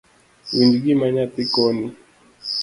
Winj gima nyathii koni